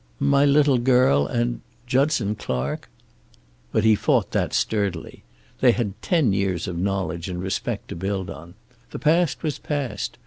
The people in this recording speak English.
"My little girl, and Judson Clark!" But he fought that sturdily. They had ten years of knowledge and respect to build on. The past was past.